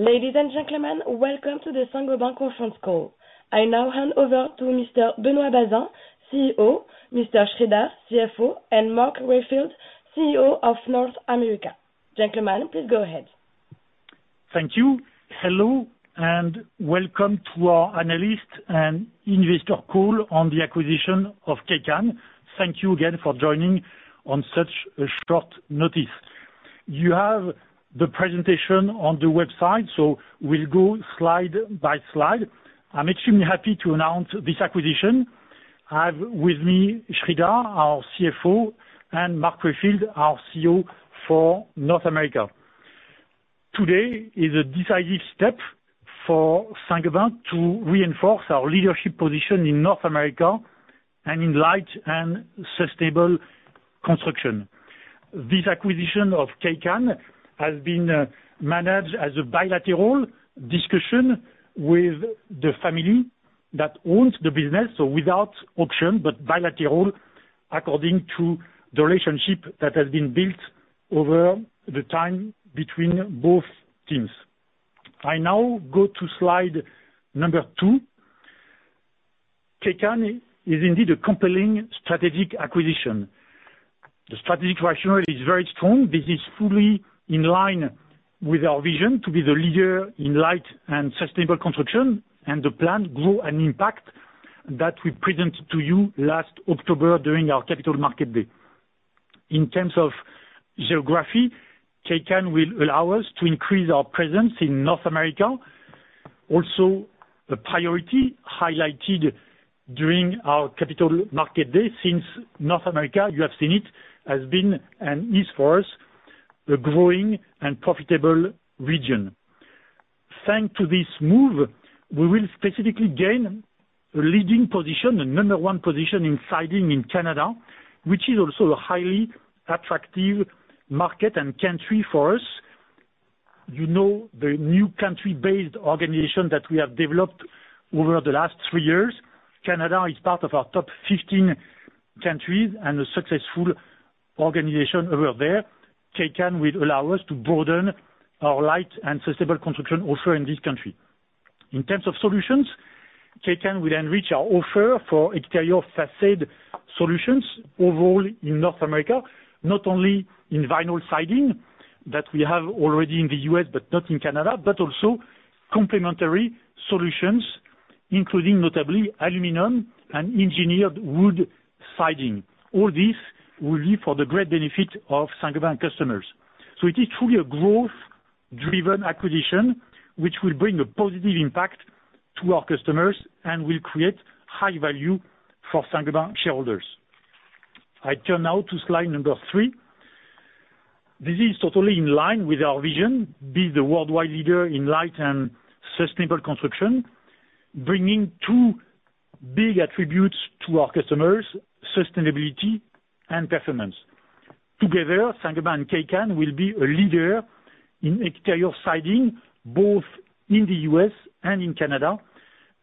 Ladies and gentlemen, welcome to the Saint-Gobain conference call. I now hand over to Mr. Benoit Bazin, CEO, Mr. Sreedhar, CFO, and Mark Rayfield, CEO of North America. Gentlemen, please go ahead. Thank you. Hello, and welcome to our analyst and investor call on the acquisition of Kaycan. Thank you again for joining on such a short notice. You have the presentation on the website, so we'll go slide by slide. I'm extremely happy to announce this acquisition. I have with me Sreedhar, our CFO, and Mark Rayfield, our CEO for North America. Today is a decisive step for Saint-Gobain to reinforce our leadership position in North America and in light and sustainable construction. This acquisition of Kaycan has been managed as a bilateral discussion with the family that owns the business. Without option, but bilateral, according to the relationship that has been built over the time between both teams. I now go to slide number two. Kaycan is indeed a compelling strategic acquisition. The strategic rationale is very strong. This is fully in line with our vision to be the leader in light and sustainable construction, and the plan Grow & Impact that we presented to you last October during our Capital Markets Day. In terms of geography, Kaycan will allow us to increase our presence in North America. Also, the priority highlighted during our Capital Markets Day. Since North America, you have seen it, has been and is for us a growing and profitable region. Thanks to this move, we will specifically gain a leading position, a number one position in siding in Canada, which is also a highly attractive market and country for us. You know, the new country-based organization that we have developed over the last three years. Canada is part of our top 15 countries and a successful organization over there. Kaycan will allow us to broaden our light and sustainable construction offer in this country. In terms of solutions, Kaycan will enrich our offer for exterior facade solutions overall in North America, not only in vinyl siding that we have already in the U.S., but not in Canada. Also complementary solutions, including notably aluminum and engineered wood siding. All this will be for the great benefit of Saint-Gobain customers. It is truly a growth-driven acquisition which will bring a positive impact to our customers and will create high value for Saint-Gobain shareholders. I turn now to slide number three. This is totally in line with our vision, be the worldwide leader in light and sustainable construction, bringing two big attributes to our customers, sustainability and performance. Together, Saint-Gobain and Kaycan will be a leader in exterior siding, both in the U.S. and in Canada.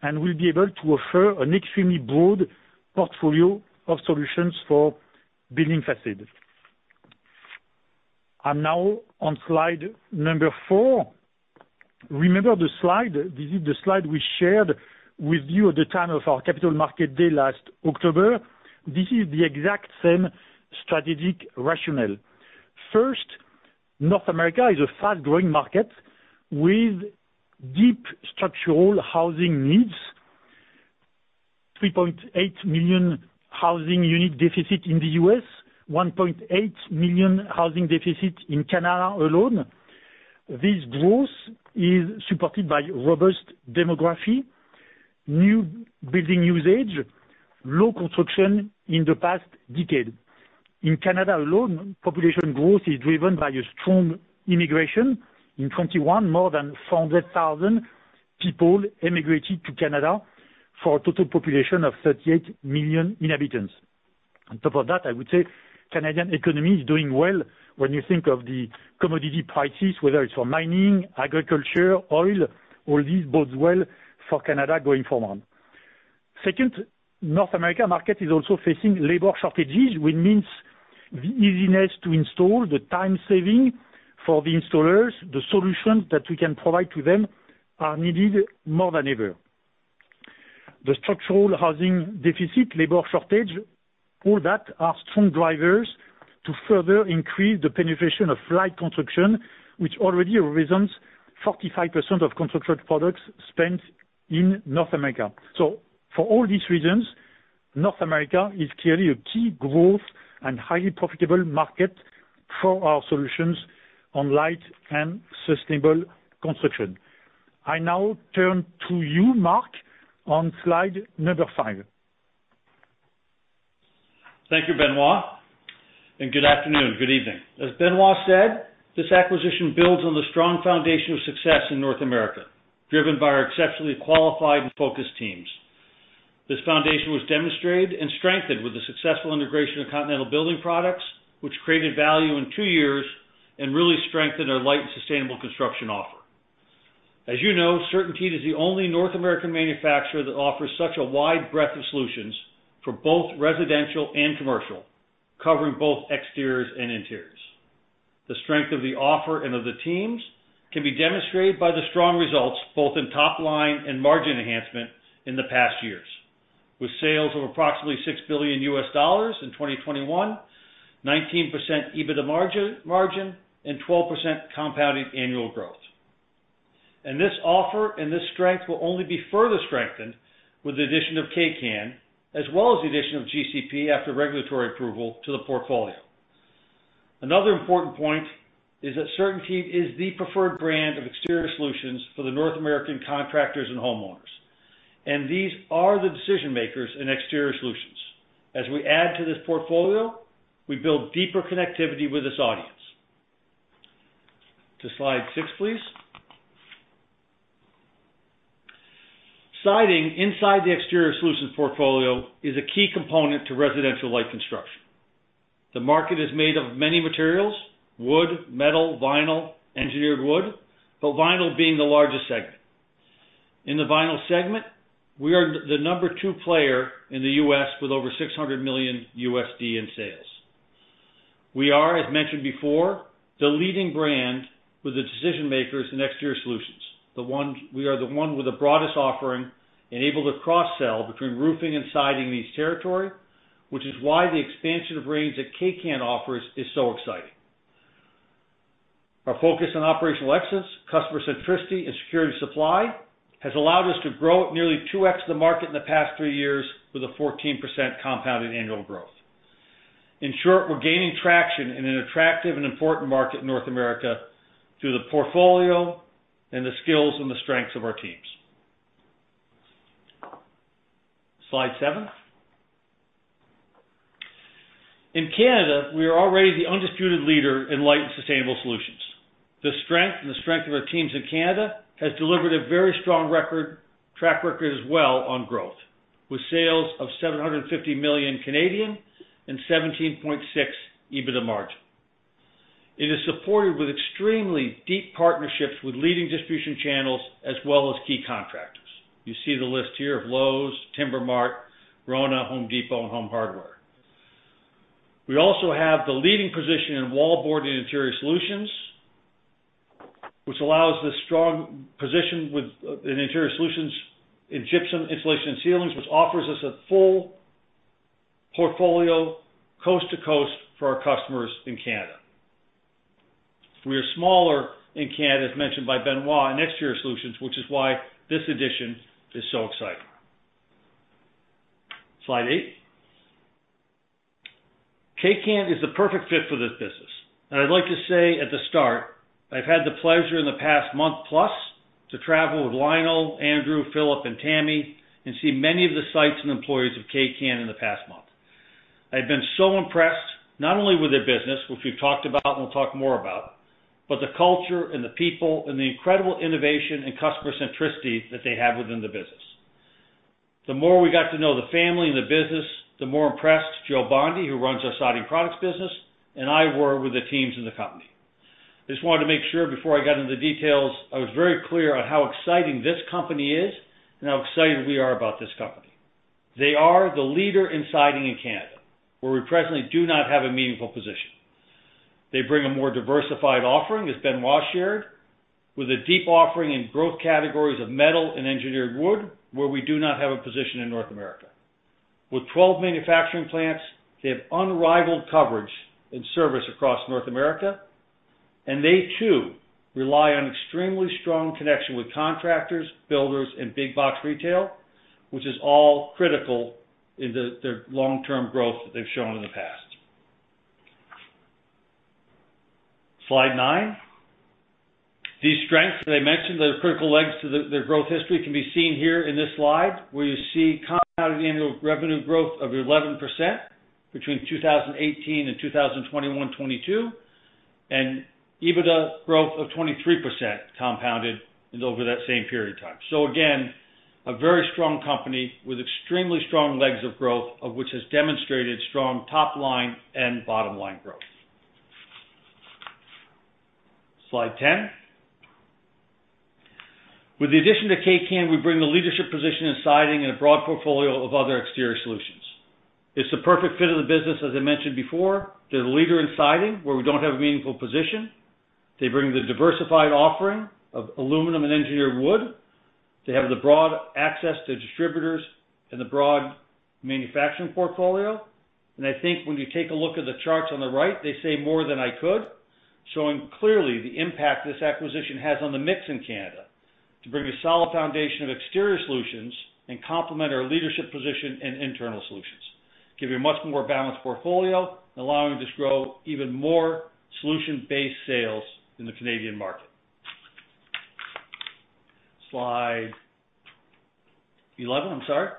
We'll be able to offer an extremely broad portfolio of solutions for building facades. I'm now on slide number four. Remember the slide? This is the slide we shared with you at the time of our Capital Markets Day last October. This is the exact same strategic rationale. First, North America is a fast-growing market with deep structural housing needs. 3.8 million housing unit deficit in the U.S., 1.8 million housing deficit in Canada alone. This growth is supported by robust demography, new building usage, low construction in the past decade. In Canada alone, population growth is driven by a strong immigration. In 2021, more than 400,000 people immigrated to Canada for a total population of 38 million inhabitants. On top of that, I would say Canadian economy is doing well when you think of the commodity prices, whether it's for mining, agriculture, oil, all these bodes well for Canada going forward. Second, North America market is also facing labor shortages, which means the easiness to install, the time saving for the installers, the solutions that we can provide to them are needed more than ever. The structural housing deficit, labor shortage, all that are strong drivers to further increase the penetration of light construction, which already represents 45% of construction products spent in North America. For all these reasons, North America is clearly a key growth and highly profitable market for our solutions on light and sustainable construction. I now turn to you, Mark, on slide number five. Thank you, Benoit, and good afternoon, good evening. As Benoit said, this acquisition builds on the strong foundation of success in North America, driven by our exceptionally qualified and focused teams. This foundation was demonstrated and strengthened with the successful integration of Continental Building Products, which created value in two years and really strengthened our light and sustainable construction offer. As you know, CertainTeed is the only North American manufacturer that offers such a wide breadth of solutions for both residential and commercial, covering both exteriors and interiors. The strength of the offer and of the teams can be demonstrated by the strong results, both in top line and margin enhancement in the past years, with sales of approximately $6 billion in 2021, 19% EBITDA margin, and 12% compounded annual growth. This offer and this strength will only be further strengthened with the addition of Kaycan, as well as the addition of GCP after regulatory approval to the portfolio. Another important point is that CertainTeed is the preferred brand of exterior solutions for the North American contractors and homeowners, and these are the decision-makers in exterior solutions. To slide six, please. Siding inside the exterior solutions portfolio is a key component to residential light construction. The market is made of many materials, wood, metal, vinyl, engineered wood, but vinyl being the largest segment. In the vinyl segment, we are the number two player in the U.S. with over $600 million in sales. We are, as mentioned before, the leading brand with the decision-makers in exterior solutions. We are the one with the broadest offering enabled to cross-sell between roofing and siding in each territory, which is why the expansion of range that Kaycan offers is so exciting. Our focus on operational excellence, customer centricity, and supply security has allowed us to grow at nearly 2x the market in the past three years with a 14% compounded annual growth. In short, we're gaining traction in an attractive and important market in North America through the portfolio and the skills and the strengths of our teams. Slide seven. In Canada, we are already the undisputed leader in light and sustainable solutions. The strength of our teams in Canada has delivered a very strong track record as well on growth with sales of 750 million and 17.6% EBITDA margin. It is supported with extremely deep partnerships with leading distribution channels as well as key contractors. You see the list here of Lowe's, TIMBER MART, RONA, Home Depot, and Home Hardware. We also have the leading position in wallboard and interior solutions, which allows this strong position with in interior solutions in gypsum, insulation, ceilings, which offers us a full portfolio coast to coast for our customers in Canada. We are smaller in Canada, as mentioned by Benoit, in exterior solutions, which is why this addition is so exciting. Slide eight. Kaycan is the perfect fit for this business. I'd like to say at the start, I've had the pleasure in the past month plus to travel with Lionel, Andrew, Philip, and Tammy and see many of the sites and employees of Kaycan in the past month. I've been so impressed not only with their business, which we've talked about and we'll talk more about, but the culture and the people and the incredible innovation and customer centricity that they have within the business. The more we got to know the family and the business, the more impressed Joe Bondi, who runs our siding products business, and I were with the teams in the company. Just wanted to make sure before I got into the details, I was very clear on how exciting this company is and how excited we are about this company. They are the leader in siding in Canada, where we presently do not have a meaningful position. They bring a more diversified offering, as Benoit shared, with a deep offering in growth categories of metal and engineered wood, where we do not have a position in North America. With 12 manufacturing plants, they have unrivaled coverage and service across North America, and they too rely on extremely strong connection with contractors, builders, and big box retail, which is all critical in their long-term growth that they've shown in the past. Slide nine. These strengths that I mentioned, that are critical legs to their growth history, can be seen here in this slide, where you see compounded annual revenue growth of 11% between 2018 and 2021-2022, and EBITDA growth of 23% compounded over that same period of time. Again, a very strong company with extremely strong legs of growth, of which has demonstrated strong top line and bottom line growth. Slide 10. With the addition to Kaycan, we bring the leadership position in siding and a broad portfolio of other exterior solutions. It's the perfect fit of the business, as I mentioned before. They're the leader in siding, where we don't have a meaningful position. They bring the diversified offering of aluminum and engineered wood. They have the broad access to distributors and the broad manufacturing portfolio. I think when you take a look at the charts on the right, they say more than I could, showing clearly the impact this acquisition has on the mix in Canada to bring a solid foundation of exterior solutions and complement our leadership position in internal solutions. Give you a much more balanced portfolio, allowing us to grow even more solution-based sales in the Canadian market. Slide 11. I'm sorry.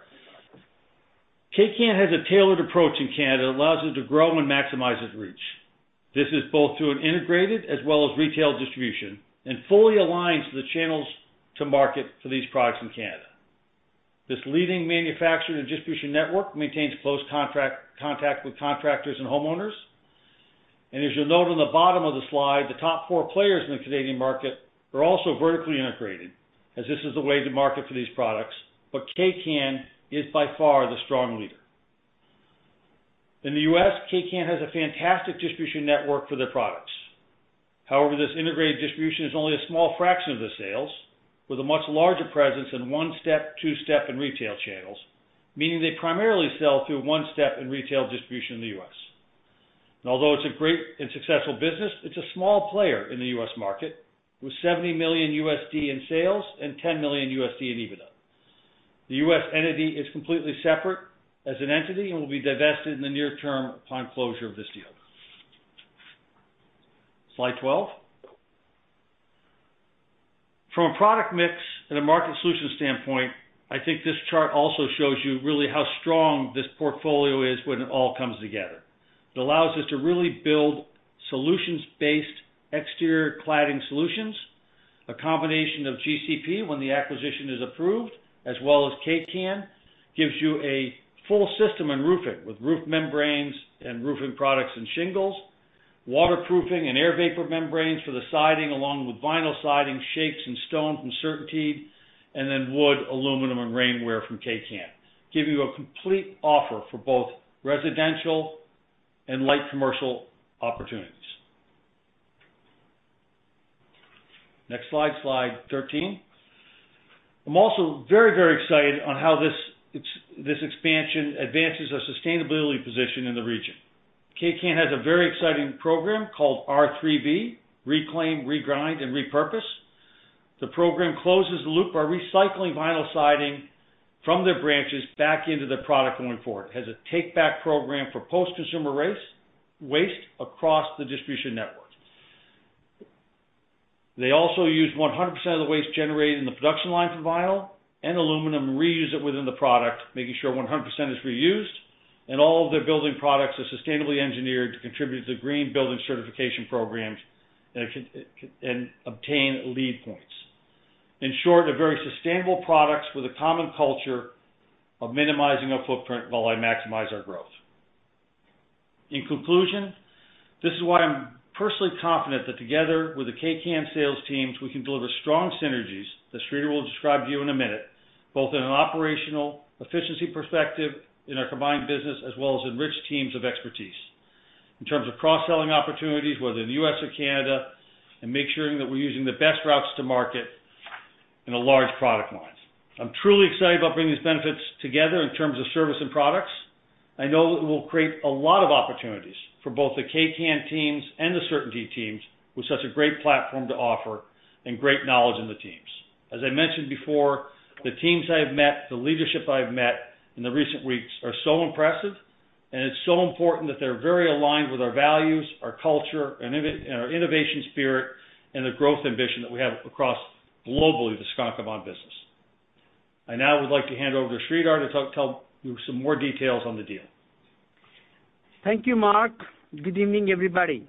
Kaycan has a tailored approach in Canada that allows it to grow and maximize its reach. This is both through an integrated as well as retail distribution and fully aligns the channels to market for these products in Canada. This leading manufacturer and distribution network maintains close contact with contractors and homeowners. As you'll note on the bottom of the slide, the top four players in the Canadian market are also vertically integrated, as this is the way to market for these products, but Kaycan is by far the strong leader. In the U.S., Kaycan has a fantastic distribution network for their products. However, this integrated distribution is only a small fraction of the sales, with a much larger presence in one-step, two-step, and retail channels, meaning they primarily sell through one-step and retail distribution in the U.S. Although it's a great and successful business, it's a small player in the U.S. market, with $70 million in sales and $10 million in EBITDA. The U.S. entity is completely separate as an entity and will be divested in the near term upon closure of this deal. Slide 12. From a product mix and a market solution standpoint, I think this chart also shows you really how strong this portfolio is when it all comes together. It allows us to really build solutions-based exterior cladding solutions. A combination of GCP when the acquisition is approved, as well as Kaycan, gives you a full system in roofing with roof membranes and roofing products and shingles, waterproofing and air vapor membranes for the siding, along with vinyl siding, shakes, and stone from CertainTeed, and then wood, aluminum, and rainwear from Kaycan, giving you a complete offer for both residential and light commercial opportunities. Next slide 13. I'm also very, very excited on how this expansion advances our sustainability position in the region. Kaycan has a very exciting program called R3V, reclaim, regrind, and repurpose. The program closes the loop by recycling vinyl siding from their branches back into the product going forward, has a take-back program for post-consumer waste across the distribution network. They also use 100% of the waste generated in the production line for vinyl and aluminum, reuse it within the product, making sure 100% is reused, and all of their building products are sustainably engineered to contribute to green building certification programs that can and obtain LEED points. In short, they're very sustainable products with a common culture of minimizing our footprint while I maximize our growth. In conclusion, this is why I'm personally confident that together with the Kaycan sales teams, we can deliver strong synergies that Sreedhar will describe to you in a minute, both in an operational efficiency perspective in our combined business as well as enriched teams of expertise. In terms of cross-selling opportunities, whether in the U.S. or Canada, and make sure that we're using the best routes to market in a large product lines. I'm truly excited about bringing these benefits together in terms of service and products. I know that it will create a lot of opportunities for both the Kaycan teams and the CertainTeed teams with such a great platform to offer and great knowledge in the teams. As I mentioned before, the teams I have met, the leadership I've met in the recent weeks are so impressive, and it's so important that they're very aligned with our values, our culture, and our innovation spirit, and the growth ambition that we have across globally, the Saint-Gobain business. I now would like to hand over to Sreedhar to tell you some more details on the deal. Thank you, Mark. Good evening, everybody.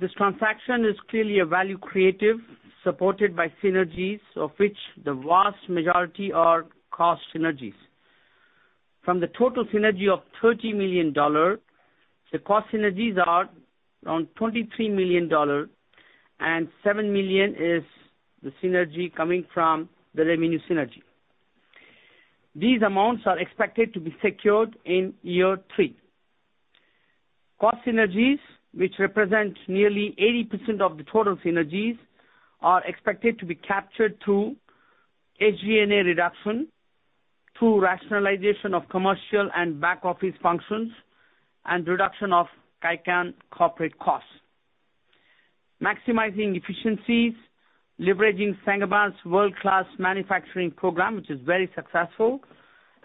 This transaction is clearly a value creative, supported by synergies of which the vast majority are cost synergies. From the total synergy of $30 million, the cost synergies are around $23 million, and $7 million is the synergy coming from the revenue synergy. These amounts are expected to be secured in year three. Cost synergies, which represent nearly 80% of the total synergies, are expected to be captured through SG&A reduction, through rationalization of commercial and back-office functions, and reduction of Kaycan corporate costs. Maximizing efficiencies, leveraging Saint-Gobain's world-class manufacturing program, which is very successful,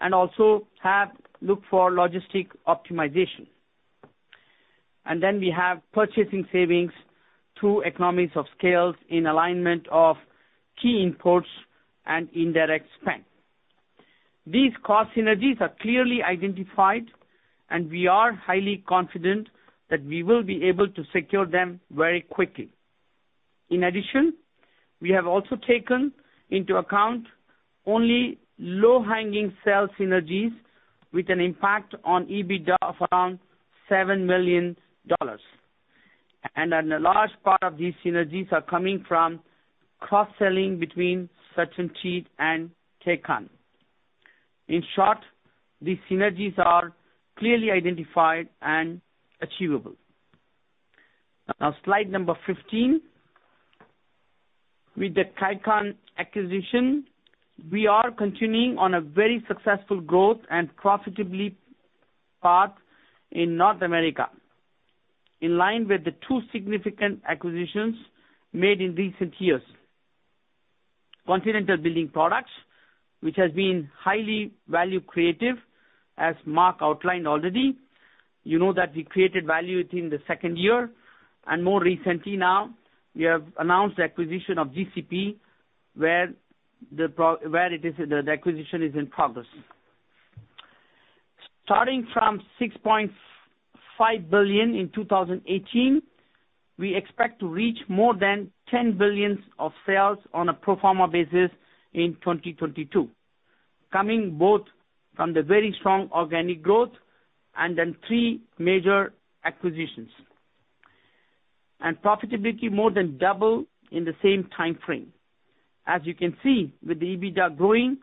and also have looked for logistics optimization. We have purchasing savings through economies of scale in alignment of key imports and indirect spend. These cost synergies are clearly identified, and we are highly confident that we will be able to secure them very quickly. In addition, we have also taken into account only low-hanging sale synergies with an impact on EBITDA of around $7 million. Then a large part of these synergies are coming from cross-selling between CertainTeed and Kaycan. In short, these synergies are clearly identified and achievable. Now, slide number 15. With the Kaycan acquisition, we are continuing on a very successful growth and profitable path in North America, in line with the two significant acquisitions made in recent years. Continental Building Products, which has been highly value-creating, as Mark outlined already. You know that we created value within the second year, and more recently now, we have announced the acquisition of GCP, where the acquisition is in progress. Starting from $6.5 billion in 2018, we expect to reach more than $10 billion of sales on a pro forma basis in 2022. Coming both from the very strong organic growth and then three major acquisitions. Profitability more than double in the same time frame. As you can see, with the EBITDA growing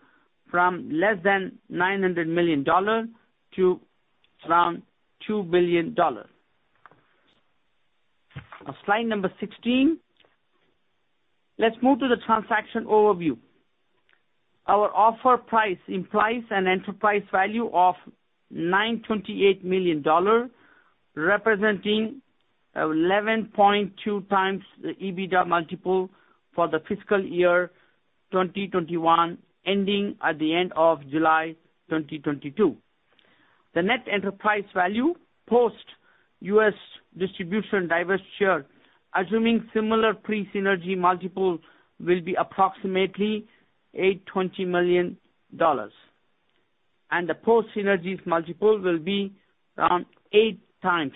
from less than $900 million to around $2 billion. Now slide number 16. Let's move to the transaction overview. Our offer price implies an enterprise value of $928 million, representing 11.2x the EBITDA multiple for the fiscal year 2021, ending at the end of July 2022. The net enterprise value, post U.S. distribution divestiture, assuming similar pre-synergy multiple, will be approximately $820 million. The post synergies multiple will be around 8x.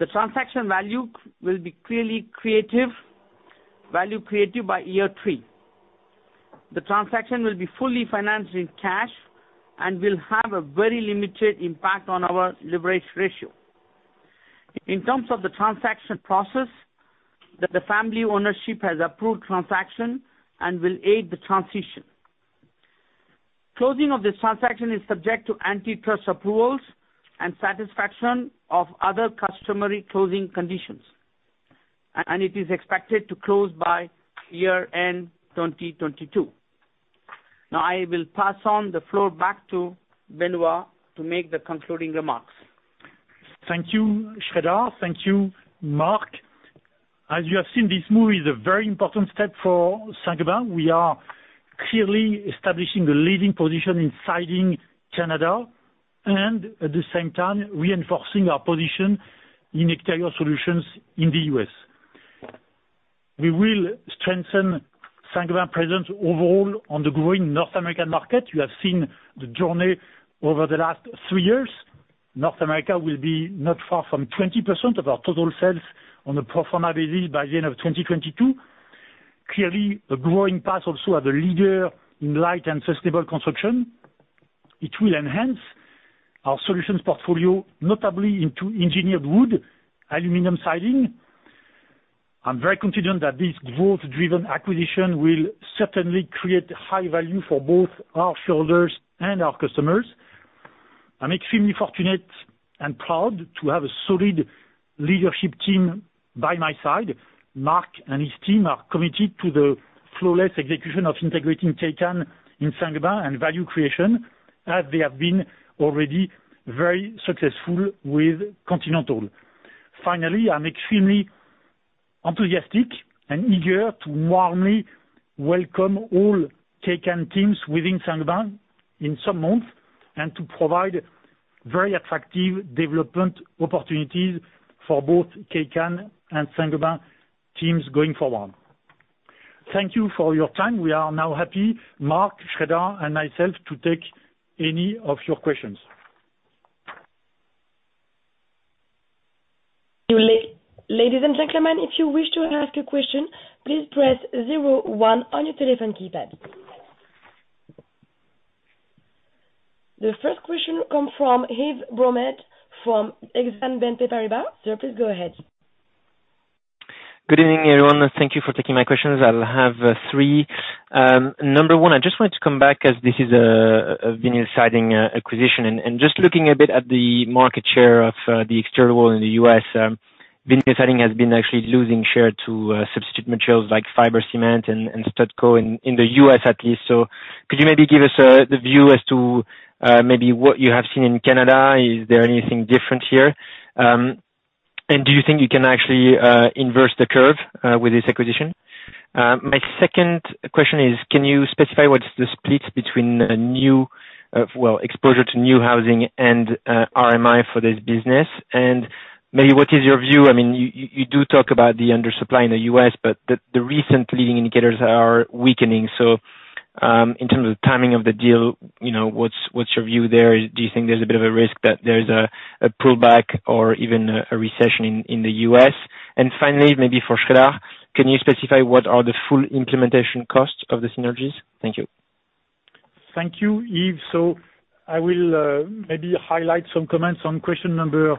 The transaction value will be clearly value-creating by year three. The transaction will be fully financed in cash and will have a very limited impact on our leverage ratio. In terms of the transaction process, the family ownership has approved transaction and will aid the transition. Closing of this transaction is subject to antitrust approvals and satisfaction of other customary closing conditions. It is expected to close by year end 2022. Now I will hand the floor back to Benoit to make the concluding remarks. Thank you, Sreedhar. Thank you, Mark. As you have seen, this move is a very important step for Saint-Gobain. We are clearly establishing a leading position in siding Canada, and at the same time reinforcing our position in exterior solutions in the U.S. We will strengthen Saint-Gobain presence overall on the growing North American market. You have seen the journey over the last three years. North America will be not far from 20% of our total sales on a pro forma basis by the end of 2022. Clearly, a growing path also of a leader in light and sustainable construction. It will enhance our solutions portfolio, notably into engineered wood, aluminum siding. I'm very confident that this growth-driven acquisition will certainly create high value for both our shareholders and our customers. I'm extremely fortunate and proud to have a solid leadership team by my side. Mark and his team are committed to the flawless execution of integrating Kaycan in Saint-Gobain and value creation, as they have been already very successful with Continental. Finally, I'm extremely enthusiastic and eager to warmly welcome all Kaycan teams within Saint-Gobain in some months, and to provide very attractive development opportunities for both Kaycan and Saint-Gobain teams going forward. Thank you for your time. We are now happy, Mark, Sreedhar, and myself, to take any of your questions. Ladies and gentlemen, if you wish to ask a question, please press zero one on your telephone keypad. The first question comes from Yves Bromehead from Exane BNP Paribas. Sir, please go ahead. Good evening, everyone. Thank you for taking my questions. I'll have three. Number one, I just wanted to come back as this is a vinyl siding acquisition. Just looking a bit at the market share of the exterior wall in the U.S., vinyl siding has been actually losing share to substitute materials like fiber cement and stucco in the U.S. at least. Could you maybe give us the view as to maybe what you have seen in Canada? Is there anything different here? Do you think you can actually reverse the curve with this acquisition? My second question is, can you specify what's the split between the new build exposure to new housing and RMI for this business? Maybe what is your view? I mean, you do talk about the undersupply in the U.S., but the recent leading indicators are weakening. In terms of timing of the deal, you know, what's your view there? Do you think there's a bit of a risk that there's a pullback or even a recession in the U.S.? Finally, maybe for Sreedhar, can you specify what are the full implementation costs of the synergies? Thank you. Thank you, Yves. I will maybe highlight some comments on question number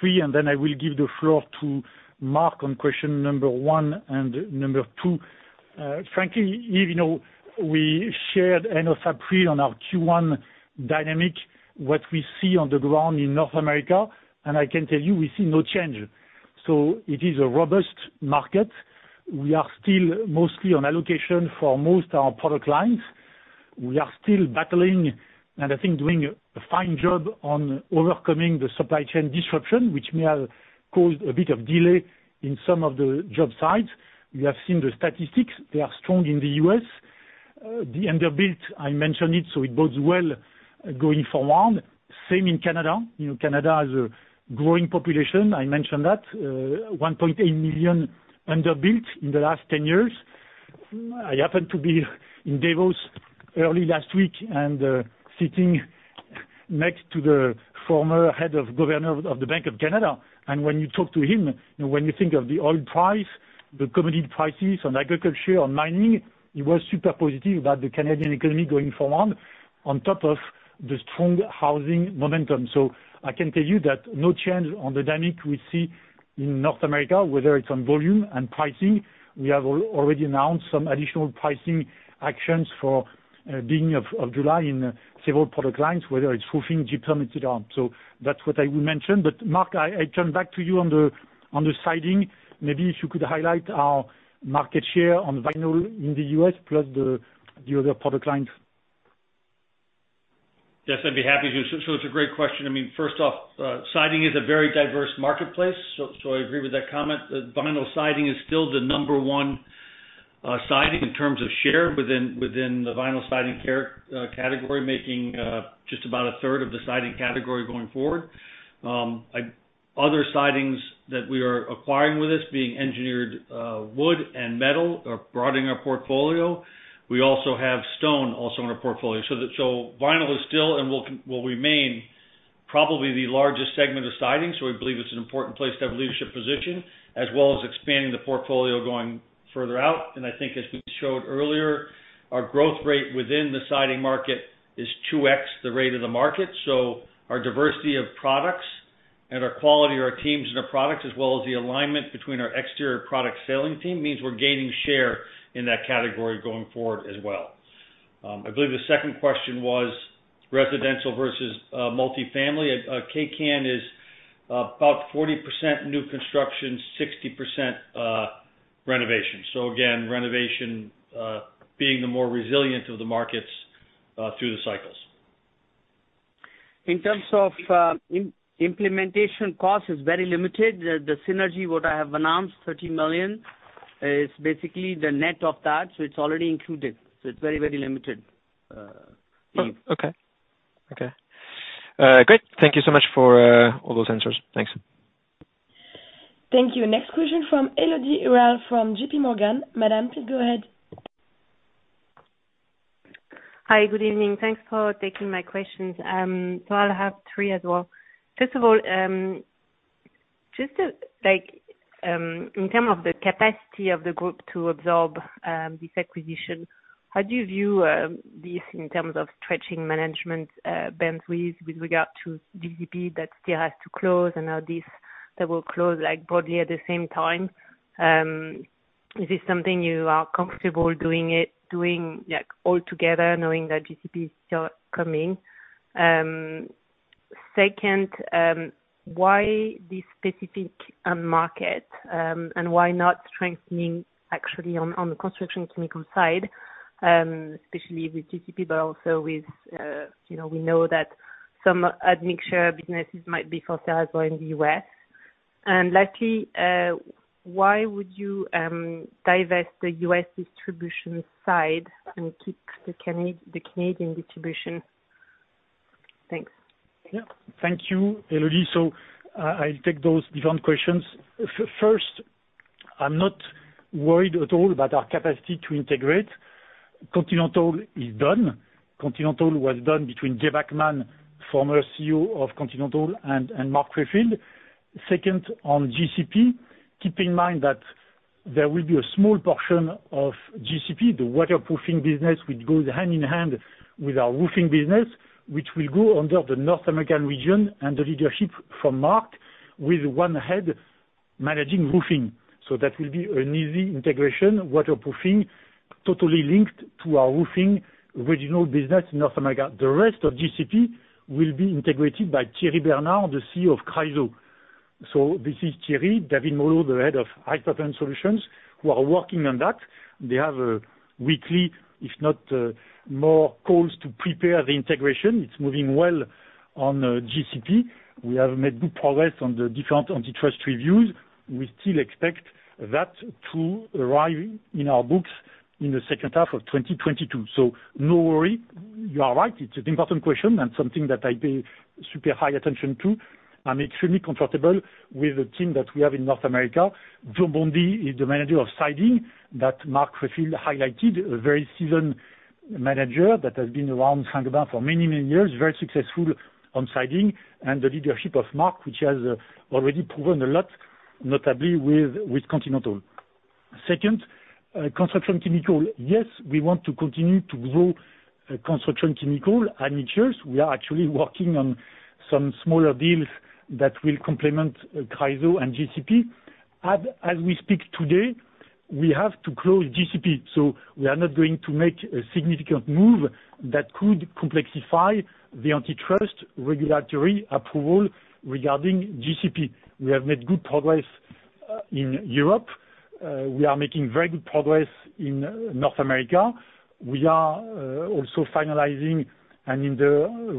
three, and then I will give the floor to Mark on question number one and number two. Frankly, Yves, you know, we shared end of April on our Q1 dynamic, what we see on the ground in North America, and I can tell you, we see no change. It is a robust market. We are still mostly on allocation for most of our product lines. We are still battling, and I think doing a fine job on overcoming the supply chain disruption, which may have caused a bit of delay in some of the job sites. We have seen the statistics. They are strong in the U.S. The under-built, I mentioned it, so it bodes well going forward. Same in Canada. You know, Canada has a growing population, I mentioned that. 1.8 million under-built in the last 10 years. I happened to be in Davos early last week and sitting next to the former head, governor of the Bank of Canada. When you talk to him, when you think of the oil price, the commodity prices on agriculture, on mining, he was super positive about the Canadian economy going forward on top of the strong housing momentum. I can tell you that no change on the dynamic we see in North America, whether it's on volume and pricing. We have already announced some additional pricing actions for beginning of July in several product lines, whether it's roofing, gypsum, and so on. That's what I will mention. Mark, I turn back to you on the siding. Maybe if you could highlight our market share on vinyl in the U.S. plus the other product lines. Yes, I'd be happy to. It's a great question. I mean, first off, siding is a very diverse marketplace, I agree with that comment. Vinyl siding is still the number one siding in terms of share within the vinyl siding category, making just about 1/3 of the siding category going forward. Other sidings that we are acquiring with this being engineered wood and metal are broadening our portfolio. We also have stone in our portfolio. Vinyl is still and will remain probably the largest segment of siding, we believe it's an important place to have leadership position as well as expanding the portfolio going further out. I think as we showed earlier, our growth rate within the siding market is 2x the rate of the market. Our diversity of products and our quality of our teams and our products, as well as the alignment between our exterior product selling team, means we're gaining share in that category going forward as well. I believe the second question was residential versus multifamily. Kaycan is about 40% new construction, 60% renovation. Again, renovation being the more resilient of the markets through the cycles. In terms of implementation cost is very limited. The synergy, what I have announced, $30 million, is basically the net of that, so it's already included. It's very, very limited. Oh, okay. Great. Thank you so much for all those answers. Thanks. Thank you. Next question from Elodie Rall from JPMorgan. Madam, please go ahead. Hi, good evening. Thanks for taking my questions. I'll have three as well. First of all, just, like, in terms of the capacity of the group to absorb this acquisition, how do you view this in terms of stretching management bandwidth with regard to GCP that still has to close and now this that will close, like, broadly at the same time? Is this something you are comfortable doing it like all together, knowing that GCP is still coming? Second, why this specific market, and why not strengthening actually on the construction chemicals side, especially with GCP, but also with, you know, we know that some admixture businesses might be for sale as well in the U.S. Lastly, why would you divest the U.S. distribution side and keep the Canadian distribution? Thanks. Yeah. Thank you, Elodie. I'll take those different questions. First, I'm not worried at all about our capacity to integrate. Continental is done. Continental was done between Jay Bachmann, former CEO of Continental, and Mark Rayfield. Second, on GCP, keep in mind that there will be a small portion of GCP, the waterproofing business, which goes hand in hand with our roofing business, which will go under the North American region and the leadership from Mark with one head managing roofing. That will be an easy integration, waterproofing, totally linked to our roofing regional business in North America. The rest of GCP will be integrated by Thierry Bernard, the CEO of Chryso. This is Thierry, David Molho, the Head of High Performance Solutions, who are working on that. They have weekly, if not more calls to prepare the integration. It's moving well on GCP. We have made good progress on the different antitrust reviews. We still expect that to arrive in our books in the second half of 2022. No worry. You are right. It's an important question and something that I pay super high attention to. I'm extremely comfortable with the team that we have in North America. Joe Bondi is the Manager of Siding that Mark Rayfield highlighted, a very seasoned manager that has been around Saint-Gobain for many, many years, very successful on siding, and the leadership of Mark, which has already proven a lot, notably with Continental. Second, construction chemicals. Yes, we want to continue to grow construction chemicals admixtures. We are actually working on some smaller deals that will complement Chryso and GCP. We have to close GCP, so we are not going to make a significant move that could complexify the antitrust regulatory approval regarding GCP. We have made good progress in Europe. We are making very good progress in North America. We are also finalizing in the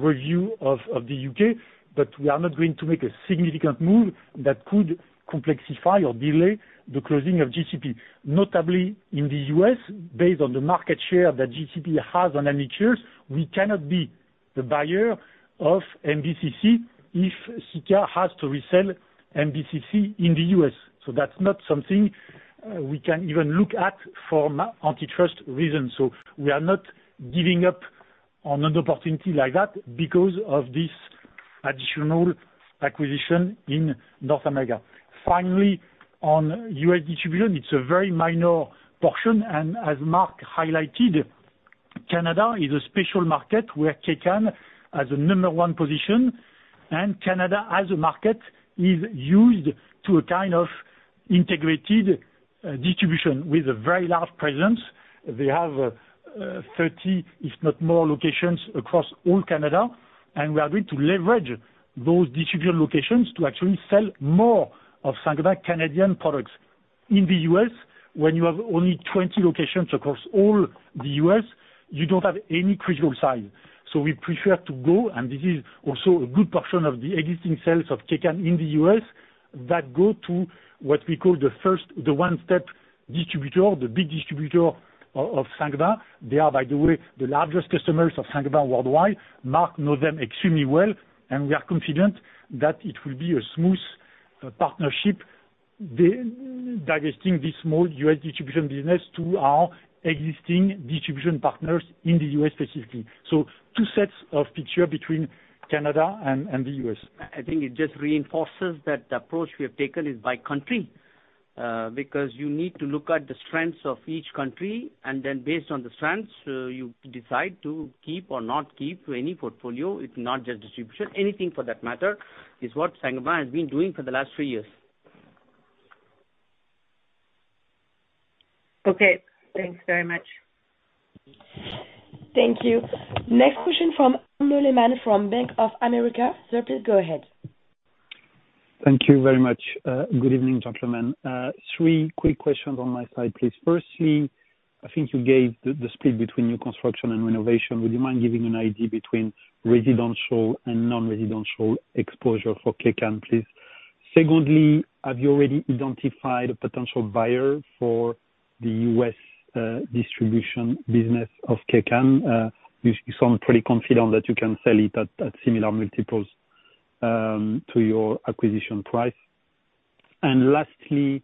review of the U.K., but we are not going to make a significant move that could complexify or delay the closing of GCP. Notably in the U.S., based on the market share that GCP has on admixtures, we cannot be the buyer of MBCC if Sika has to resell MBCC in the U.S. That's not something we can even look at for antitrust reasons. We are not giving up on an opportunity like that because of this additional acquisition in North America. Finally, on U.S. distribution, it's a very minor portion, and as Mark highlighted, Canada is a special market where Kaycan has a number one position, and Canada as a market is used to a kind of integrated distribution with a very large presence. They have 30, if not more, locations across all Canada, and we are going to leverage those distribution locations to actually sell more of Saint-Gobain Canadian products. In the U.S., when you have only 20 locations across all the U.S., you don't have any critical size. We prefer to go, and this is also a good portion of the existing sales of Kaycan in the U.S., that go to what we call the one-step distributor, the big distributor of Saint-Gobain. They are, by the way, the largest customers of Saint-Gobain worldwide. We know them extremely well, and we are confident that it will be a smooth partnership digesting this small U.S. distribution business into our existing distribution partners in the U.S. specifically. Two sets of pictures between Canada and the U.S. I think it just reinforces that the approach we have taken is by country, because you need to look at the strengths of each country, and then based on the strengths, you decide to keep or not keep any portfolio. It's not just distribution. Anything for that matter is what Saint-Gobain has been doing for the last three years. Okay, thanks very much. Thank you. Next question from Arnaud Lehmann from Bank of America. Sir, please go ahead. Thank you very much. Good evening, gentlemen. Three quick questions on my side, please. Firstly, I think you gave the split between new construction and renovation. Would you mind giving an idea between residential and non-residential exposure for Kaycan, please? Secondly, have you already identified a potential buyer for the U.S. distribution business of Kaycan? You sound pretty confident that you can sell it at similar multiples to your acquisition price. Lastly,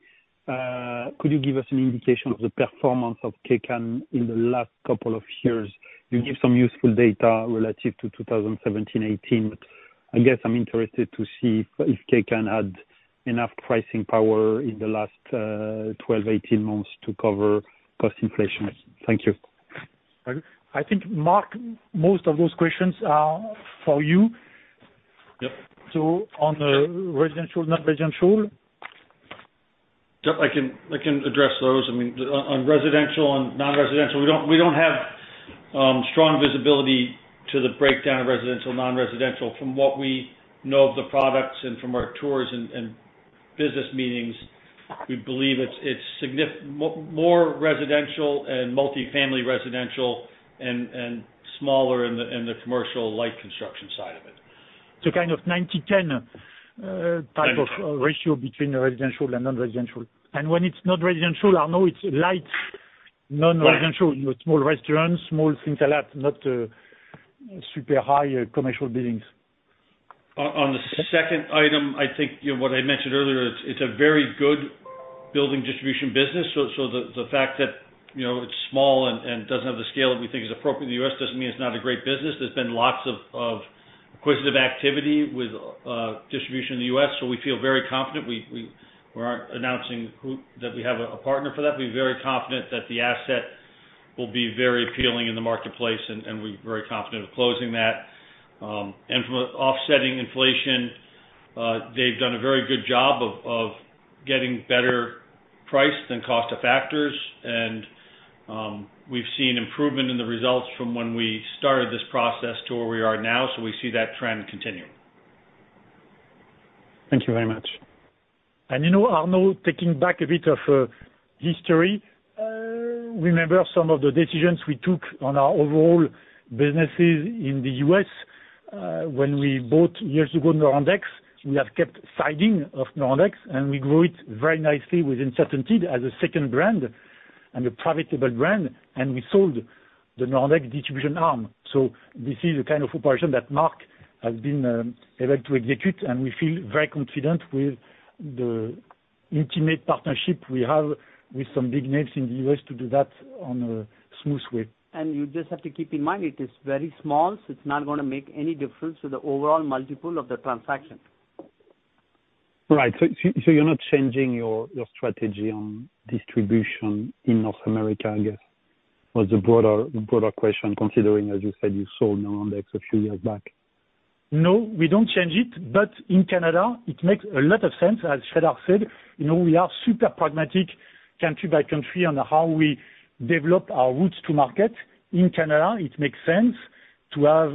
could you give us an indication of the performance of Kaycan in the last couple of years? You give some useful data relative to 2017, 2018, but I guess I'm interested to see if Kaycan had enough pricing power in the last 12-18 months to cover cost inflation. Thank you. I think, Mark, most of those questions are for you. Yep. On the residential, non-residential. Yep, I can address those. I mean, on residential and non-residential, we don't have strong visibility to the breakdown of residential, non-residential. From what we know of the products and from our tours and business meetings, we believe it's more residential and multifamily residential and smaller in the commercial light construction side of it. kind of 90/10 type of ratio between residential and non-residential. When it's non-residential, I know it's light non-residential. Right. You know, small restaurants, small things a lot, not super high commercial buildings. On the second item, I think, you know, what I mentioned earlier, it's a very good building distribution business. The fact that, you know, it's small and doesn't have the scale that we think is appropriate in the U.S. doesn't mean it's not a great business. There's been lots of acquisitive activity with distribution in the U.S., so we feel very confident. We're announcing that we have a partner for that. We're very confident that the asset will be very appealing in the marketplace and we're very confident of closing that. From offsetting inflation, they've done a very good job of getting better pricing than cost factors, and we've seen improvement in the results from when we started this process to where we are now. We see that trend continuing. Thank you very much. You know, Arnaud, taking back a bit of history, remember some of the decisions we took on our overall businesses in the U.S. when we bought, years ago, Norandex. We have kept siding of Norandex, and we grew it very nicely with CertainTeed as a second brand and a profitable brand, and we sold the Norandex distribution arm. This is the kind of operation that Mark has been able to execute, and we feel very confident with the intimate partnership we have with some big names in the U.S. to do that on a smooth way. You just have to keep in mind it is very small, so it's not gonna make any difference to the overall multiple of the transaction. Right. You're not changing your strategy on distribution in North America, I guess, was the broader question, considering, as you said, you sold Norandex a few years back. No, we don't change it. In Canada, it makes a lot of sense. As Sreedhar said, you know, we are super pragmatic country by country on how we develop our routes to market. In Canada, it makes sense to have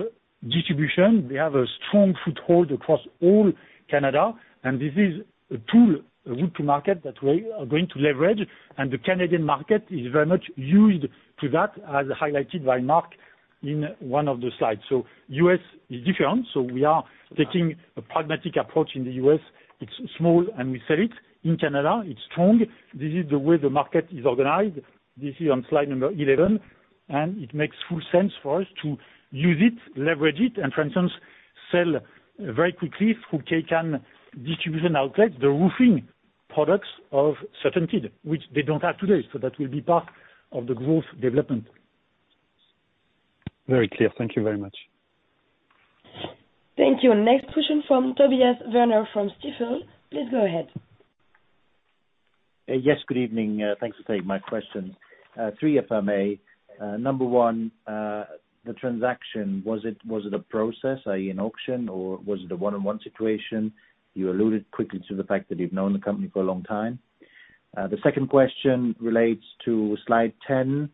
distribution. We have a strong foothold across all Canada, and this is a tool, a route to market that we are going to leverage, and the Canadian market is very much used to that, as highlighted by Mark in one of the slides. U.S. is different, so we are taking a pragmatic approach in the U.S. It's small, and we sell it. In Canada, it's strong. This is the way the market is organized. This is on slide number 11, and it makes full sense for us to use it, leverage it, and for instance, sell very quickly through Kaycan distribution outlets, the roofing products of CertainTeed, which they don't have today. That will be part of the growth development. Very clear. Thank you very much. Thank you. Next question from Tobias Woerner from Stifel. Please go ahead. Yes, good evening. Thanks for taking my question. Three if I may. Number one, the transaction, was it a process, i.e. an auction or was it a one-on-one situation? You alluded quickly to the fact that you've known the company for a long time. The second question relates to slide 10,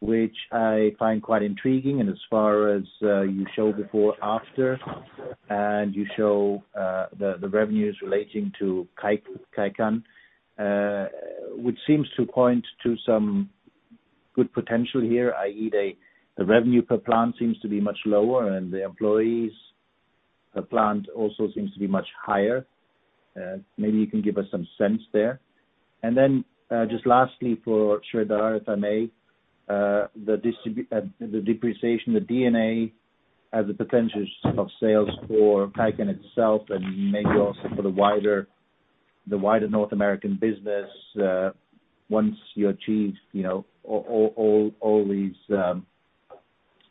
which I find quite intriguing and as far as you show before after, and you show the revenues relating to Kaycan, which seems to point to some good potential here, i.e. the revenue per plant seems to be much lower and the employees per plant also seems to be much higher. Maybe you can give us some sense there. Just lastly for Sreedhar, if I may, the depreciation, the D&A as a percentage of sales for Kaycan itself and maybe also for the wider North American business, once you achieve, you know, all these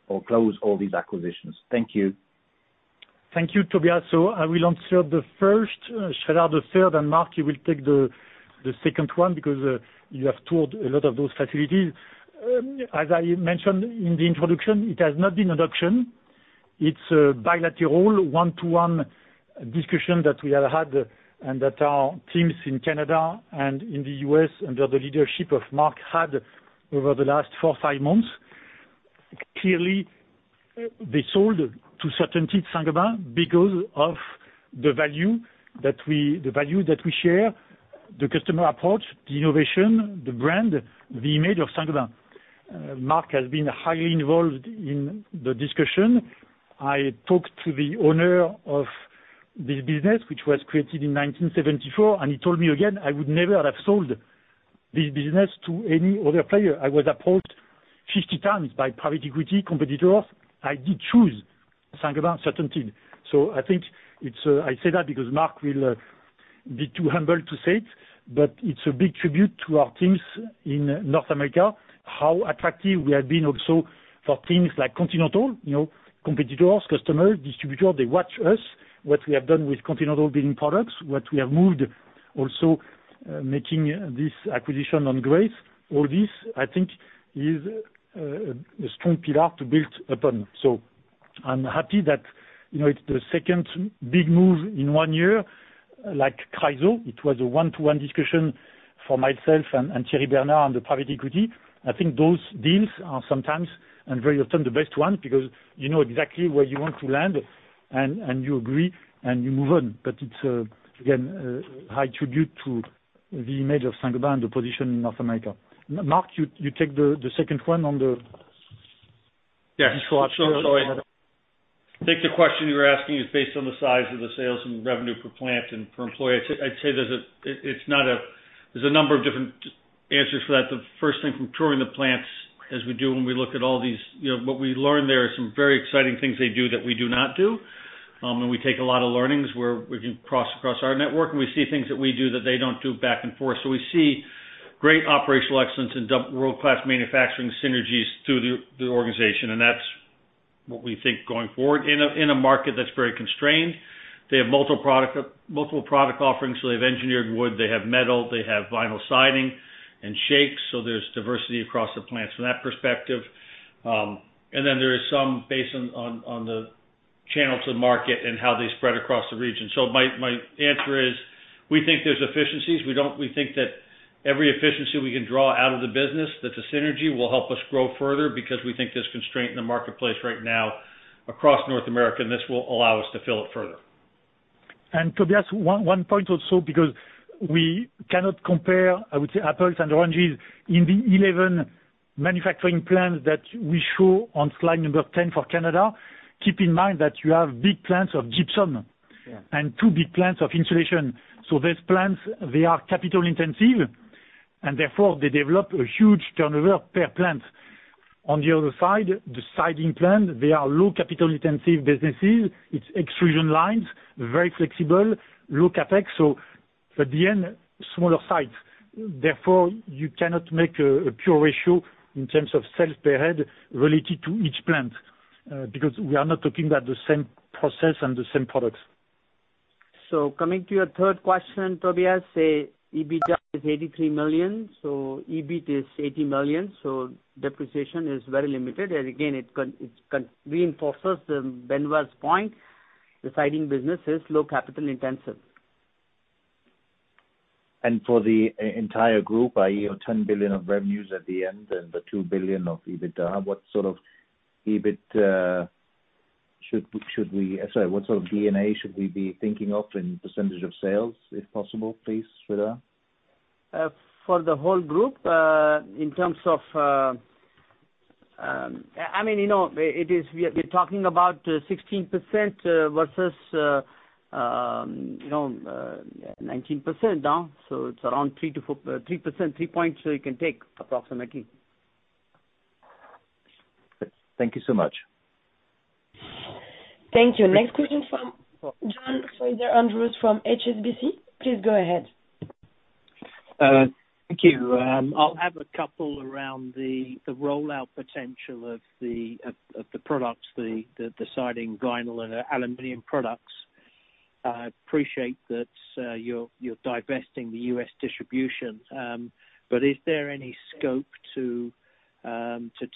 or close all these acquisitions. Thank you. Thank you, Tobias. I will answer the first, Sreedhar, the third, and Mark, you will take the second one because you have toured a lot of those facilities. As I mentioned in the introduction, it has not been an auction. It is a bilateral one-to-one discussion that we have had and that our teams in Canada and in the U.S. under the leadership of Mark had over the last four, five months. Clearly, they sold to CertainTeed Saint-Gobain because of the value that we share, the customer approach, the innovation, the brand, the image of Saint-Gobain. Mark has been highly involved in the discussion. I talked to the owner of this business, which was created in 1974, and he told me again, "I would never have sold this business to any other player. I was approached 50x by private equity competitors. I did choose Saint-Gobain CertainTeed." I think it's, I say that because Mark will be too humble to say it, but it's a big tribute to our teams in North America, how attractive we have been also for teams like Continental, you know, competitors, customers, distributors, they watch us, what we have done with Continental Building Products, what we have moved also, making this acquisition on Grace. All this, I think, is a strong pillar to build upon. I'm happy that, you know, it's the second big move in one year, like Chryso. It was a one-to-one discussion for myself and Thierry Bernard on the private equity. I think those deals are sometimes and very often the best one because you know exactly where you want to land and you agree and you move on. It's again a high tribute to the image of Saint-Gobain, the position in North America. Mark, you take the second one on the. Yes. Before I hand over. I think the question you're asking is based on the size of the sales and revenue per plant and per employee. I'd say there's a number of different answers for that. The first thing from touring the plants, as we do when we look at all these, you know, what we learn there are some very exciting things they do that we do not do. We take a lot of learnings where we can cross our network, and we see things that we do that they don't do back and forth. So we see great operational excellence and world-class manufacturing synergies through the organization, and that's what we think going forward. In a market that's very constrained, they have multiple product offerings. They have engineered wood, they have metal, they have vinyl siding and shakes, so there's diversity across the plants from that perspective. There is some based on the channel to market and how they spread across the region. My answer is we think there's efficiencies. We think that every efficiency we can draw out of the business, that the synergy will help us grow further because we think there's constraint in the marketplace right now across North America, and this will allow us to fill it further. Tobias, one point also because we cannot compare, I would say, apples and oranges. In the 11 manufacturing plants that we show on slide number 10 for Canada, keep in mind that you have big plants of gypsum. Yeah. Two big plants of insulation. These plants, they are capital intensive, and therefore they develop a huge turnover per plant. On the other side, the siding plant, they are low capital intensive businesses. It's extrusion lines, very flexible, low CapEx, so at the end, smaller sites. Therefore, you cannot make a pure ratio in terms of sales per head related to each plant, because we are not talking about the same process and the same products. Coming to your third question, Tobias, say, EBITDA is $83 million, so EBIT is $80 million, so depreciation is very limited. It reinforces Benoit's point. The siding business is low capital intensive. For the entire group, i.e. your $10 billion of revenues at the end and the $2 billion of EBITDA, what sort of EBIT should we be thinking of? Sorry, what sort of D&A should we be thinking of in percentage of sales, if possible, please, Sreedhar? For the whole group, in terms of, I mean, you know, it is. We're talking about 16% versus 19%, no? It's around 3%, three points, so you can take approximately Thank you so much. Thank you. Next question from John Fraser-Andrews from HSBC. Please go ahead. Thank you. I'll have a couple around the rollout potential of the products, the siding, vinyl and aluminum products. I appreciate that you're divesting the U.S. distribution. Is there any scope to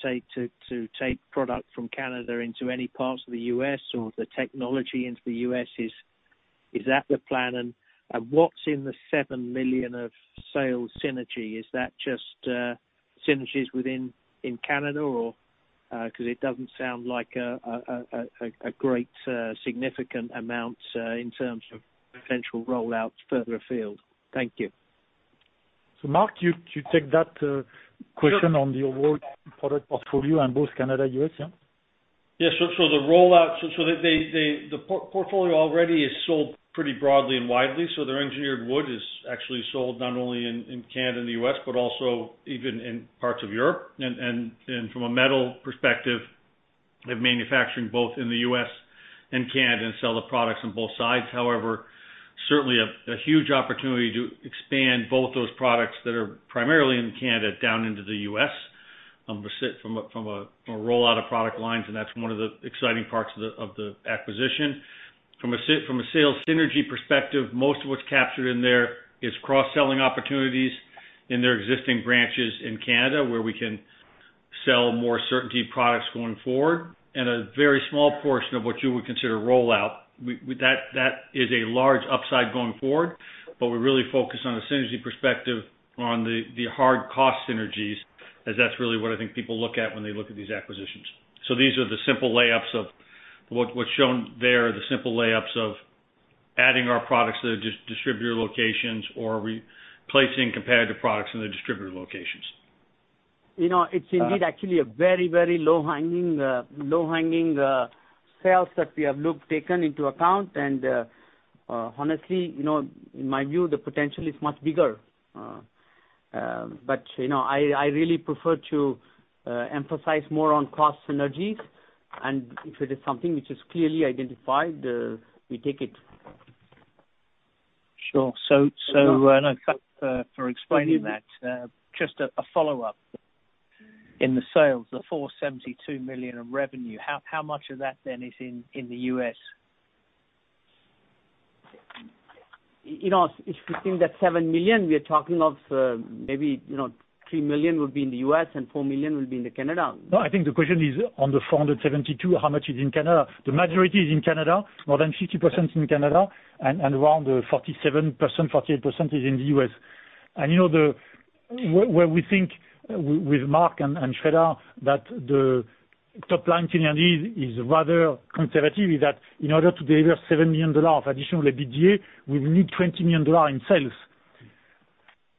take product from Canada into any parts of the U.S. or the technology into the U.S.? Is that the plan? What's in the $7 million of sales synergy? Is that just synergies within Canada or 'cause it doesn't sound like a great significant amount in terms of potential rollouts further afield. Thank you. Mark, you take that question on the our product portfolio on both Canada, U.S., yeah? The portfolio already is sold pretty broadly and widely. Their engineered wood is actually sold not only in Canada and the U.S., but also even in parts of Europe. From a metal perspective, they're manufacturing both in the U.S. and Canada and sell the products on both sides. However, certainly a huge opportunity to expand both those products that are primarily in Canada down into the U.S. from a rollout of product lines, and that's one of the exciting parts of the acquisition. From a sales synergy perspective, most of what's captured in there is cross-selling opportunities in their existing branches in Canada, where we can sell more CertainTeed products going forward. A very small portion of what you would consider rollout. That is a large upside going forward. We're really focused on the synergy perspective on the hard cost synergies, as that's really what I think people look at when they look at these acquisitions. These are the simple layups of what's shown there, the simple layups of adding our products to the distributor locations or replacing competitive products in the distributor locations. You know, it's indeed actually a very low-hanging sales that we have taken into account. Honestly, you know, in my view, the potential is much bigger. You know, I really prefer to emphasize more on cost synergies. If it is something which is clearly identified, we take it. Sure. Yeah. No, thanks, for explaining that. Mm-hmm. Just a follow-up. In the sales, the $472 million of revenue, how much of that then is in the U.S.? You know, if you think that $7 million, we are talking of maybe, you know, $3 million would be in the U.S. and $4 million will be in Canada. No, I think the question is on the $472 million, how much is in Canada? The majority is in Canada, more than 50% is in Canada and around 47%, 48% is in the U.S. You know, where we think with Mark and Sreedhar, that the top-line synergy is rather conservative, that in order to deliver $7 million of additional EBITDA, we need $20 million in sales.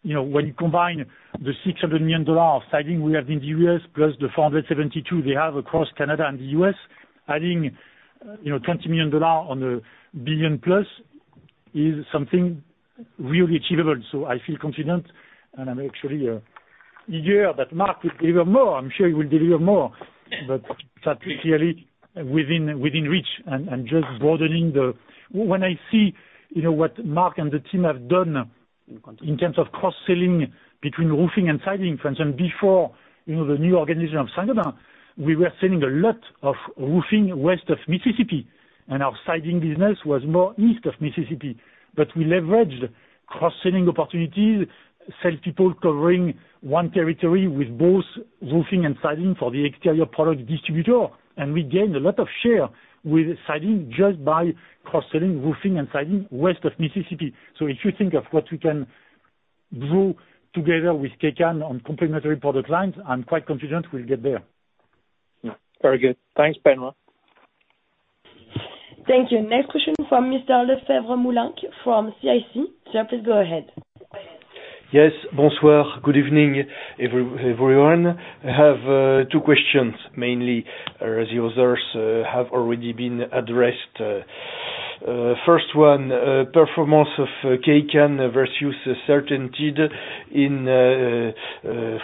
You know, when you combine the $600 million of siding we have in the U.S. plus the $472 million they have across Canada and the U.S., adding you know $20 million on a $1+ billion is something really achievable. I feel confident, and I'm actually eager that Mark will deliver more. I'm sure he will deliver more. But that's clearly within reach. When I see, you know, what Mark and the team have done in terms of cross-selling between roofing and siding, for instance, before, you know, the new organization of Saint-Gobain, we were selling a lot of roofing west of Mississippi, and our siding business was more east of Mississippi. We leveraged cross-selling opportunities, selling to people covering one territory with both roofing and siding for the exterior product distributor. We gained a lot of share with siding just by cross-selling roofing and siding west of Mississippi. If you think of what we can grow together with Kaycan on complementary product lines, I'm quite confident we'll get there. Yeah. Very good. Thanks, Benoit. Thank you. Next question from Mr. Lefèvre-Moulenq from CIC. Sir, please go ahead. Yes. Bonsoir. Good evening, everyone. I have two questions mainly, as the others have already been addressed. First one, performance of Kaycan versus CertainTeed in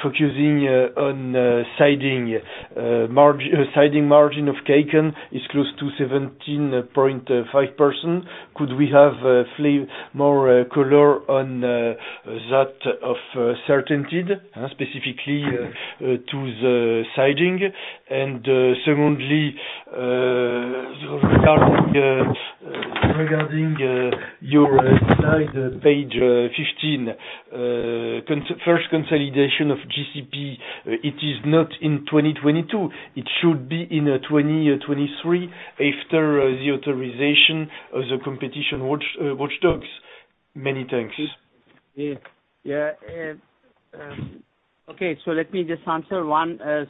focusing on siding. Siding margin of Kaycan is close to 17.5%. Could we have more color on that of CertainTeed, specifically to the siding? Secondly, regarding your slide, page 15, first consolidation of GCP, it is not in 2022. It should be in 2023 after the authorization of the competition watchdogs. Many thanks. Yeah. Yeah, okay. Let me just answer one. As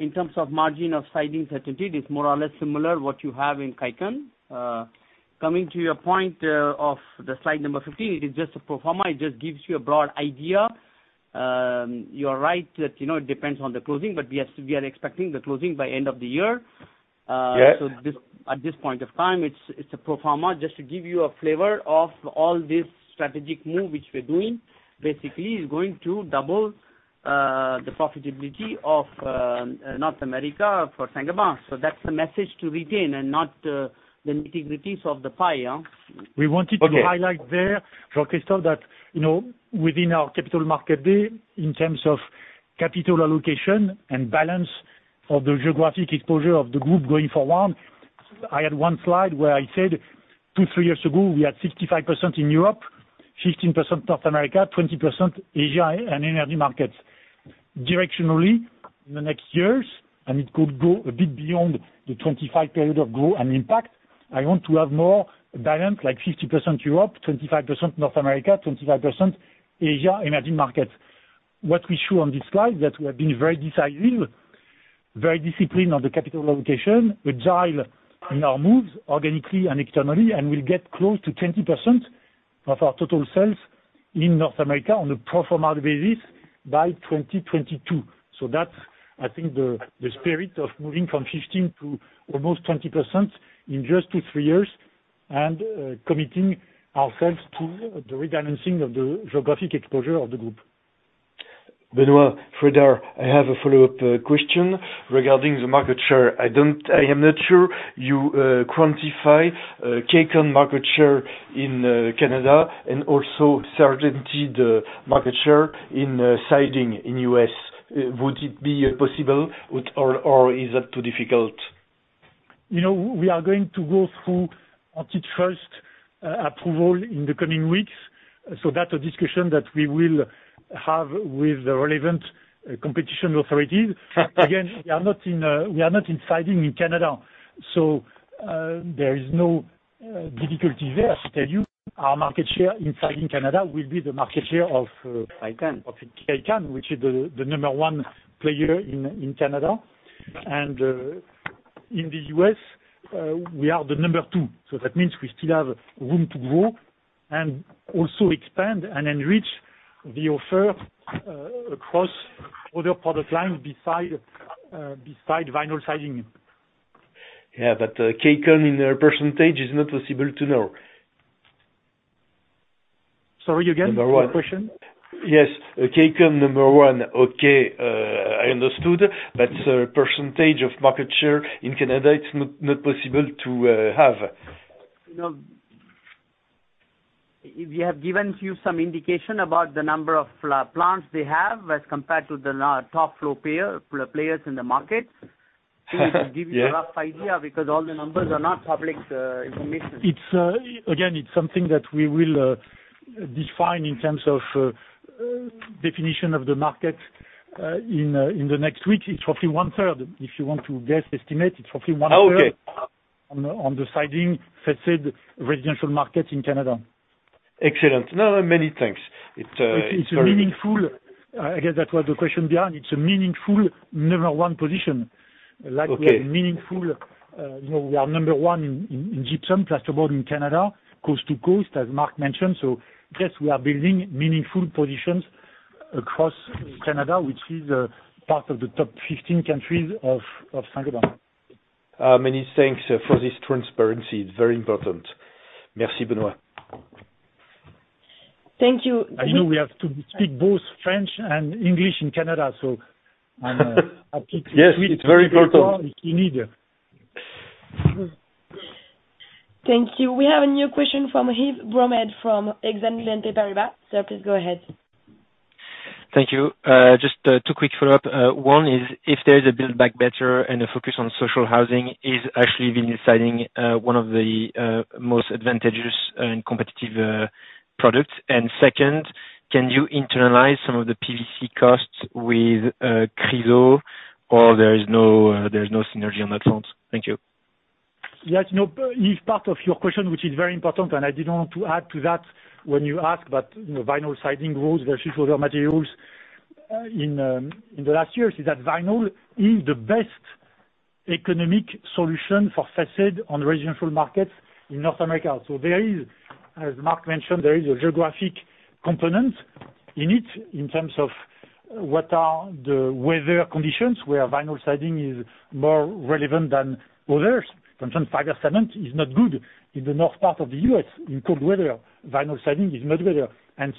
in terms of margin of siding, CertainTeed is more or less similar what you have in Kaycan. Coming to your point, of the slide number 15, it is just a pro forma. It just gives you a broad idea. You are right that, you know, it depends on the closing, but we are expecting the closing by end of the year. This, at this point of time, it's a pro forma just to give you a flavor of all this strategic move which we're doing. Basically is going to double the profitability of North America for Saint-Gobain. That's the message to retain and not the nitty-gritties of the pie. We wanted to highlight there, Jean-Christophe, that, you know, within our Capital Markets Day, in terms of capital allocation and balance of the geographic exposure of the group going forward, I had one slide where I said two to three years ago, we had 65% in Europe, 15% North America, 20% Asia and energy markets. Directionally, in the next years, and it could go a bit beyond the 2025 period of Grow & Impact, I want to have more balance, like 50% Europe, 25% North America, 25% Asia and energy markets. What we show on this slide, that we have been very decisive, very disciplined on the capital allocation, agile in our moves, organically and externally, and we'll get close to 20% of our total sales in North America on a pro forma basis by 2022. That's, I think the spirit of moving from 15% to almost 20% in just two to three years and committing ourselves to the rebalancing of the geographic exposure of the group. Benoit, Sreedhar, I have a follow-up question regarding the market share. I am not sure you quantify Kaycan market share in Canada and also CertainTeed market share in siding in U.S. Would it be possible, or is it too difficult? You know, we are going to go through antitrust approval in the coming weeks. That's a discussion that we will have with the relevant competition authorities. Again, we are not in siding in Canada, there is no difficulty there. I tell you, our market share in siding in Canada will be the market share of Kaycan. Of Kaycan, which is the number one player in Canada. In the U.S., we are the number two. That means we still have room to grow and also expand and enrich the offer across other product lines besides vinyl siding. Yeah, Kaycan in their percentage is not possible to know. Sorry, again, the question. Yes. Kaycan, number one. Okay. I understood that percentage of market share in Canada, it's not possible to have. You know, if we have given to you some indication about the number of plants they have as compared to the top four players in the market, it will give you a rough idea because all the numbers are not public information. It's again, it's something that we will define in terms of definition of the market in the next week. It's roughly 1/3. If you want to guess, estimate, it's roughly 1/3. Okay. On the siding, façade residential market in Canada. Excellent. No, many thanks. It's a meaningful. I guess that was the question behind. It's a meaningful number one position. Like we have meaningful, you know, we are number one in gypsum, plasterboard in Canada, coast to coast, as Mark mentioned. Yes, we are building meaningful positions across Canada, which is part of the top 15 countries of Saint-Gobain. Many thanks for this transparency. It's very important. Merci, Benoit. Thank you. I know we have to speak both French and English in Canada, so, I'll keep switching. Yes, it's very important. If you need. Thank you. We have a new question from Yves Bromehead from Exane BNP Paribas. Sir, please go ahead. Thank you. Just two quick follow-up. One is if there's a Build Back Better and a focus on social housing, is actually vinyl siding one of the most advantageous and competitive products. Second, can you internalize some of the PVC costs with Chryso, or there is no synergy on that front? Thank you. Yes, no, Yves, part of your question, which is very important, and I didn't want to add to that when you ask about vinyl siding rules versus other materials. In the last years is that vinyl is the best economic solution for façade on residential markets in North America. There is, as Mark mentioned, a geographic component in it in terms of what are the weather conditions, where vinyl siding is more relevant than others. For instance, fiber cement is not good in the north part of the U.S. in cold weather. Vinyl siding is much better.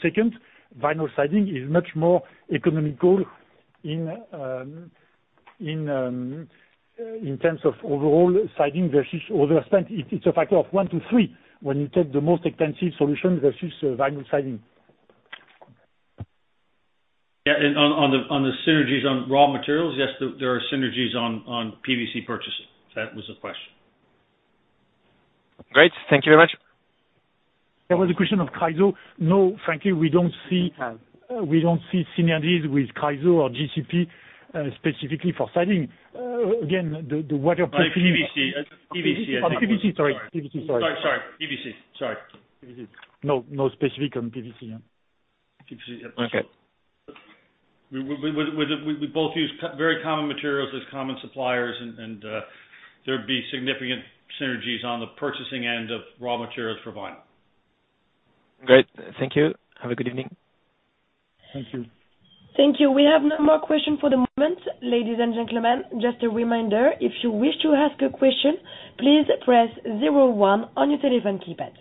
Second, vinyl siding is much more economical in terms of overall siding versus other spend. It's a factor of one to three when you take the most expensive solution versus vinyl siding. Yeah. On the synergies on raw materials, yes, there are synergies on PVC purchases. If that was the question. Great. Thank you very much. There was a question of Chryso. No, frankly, we don't see synergies with Chryso or GCP, specifically for siding. Again, the wider purchasing- Like PVC. PVC. Oh, PVC. Sorry. Sorry. PVC. Sorry. PVC. No, no specific on PVC. PVC. Okay. We both use very common materials, there's common suppliers and there'd be significant synergies on the purchasing end of raw materials for vinyl. Great. Thank you. Have a good evening. Thank you. Thank you. We have no more questions for the moment. Ladies and gentlemen, just a reminder, if you wish to ask a question, please press zero one on your telephone keypad.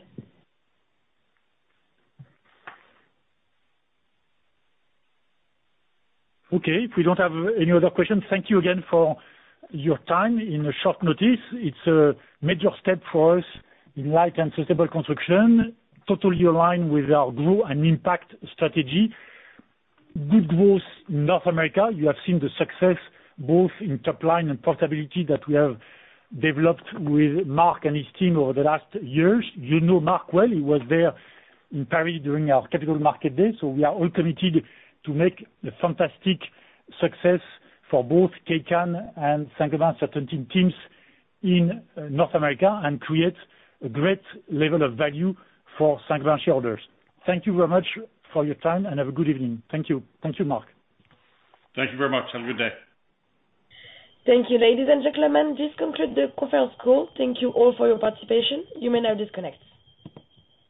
Okay. If we don't have any other questions, thank you again for your time on short notice. It's a major step for us in light and sustainable construction, totally aligned with our Grow & Impact strategy. Good growth in North America. You have seen the success both in top line and profitability that we have developed with Mark and his team over the last years. You know Mark well. He was there in Paris during our Capital Markets Day. We are all committed to make a fantastic success for both Kaycan and Saint-Gobain CertainTeed teams in North America and create a great level of value for Saint-Gobain shareholders. Thank you very much for your time, and have a good evening. Thank you. Thank you, Mark. Thank you very much. Have a good day. Thank you, ladies and gentlemen. This concludes the conference call. Thank you all for your participation. You may now disconnect.